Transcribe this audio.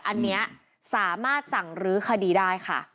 อันนี้สามารถสั่งรื้อคดีได้ค่ะ